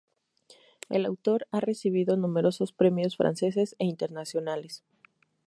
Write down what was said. El autor ha recibido numerosos premios franceses e internacionales.